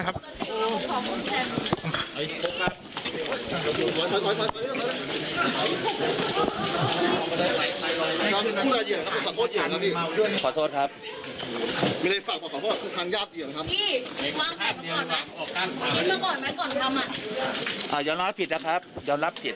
บุษกางเวทด้วย